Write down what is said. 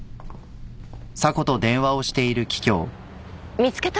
見つけた？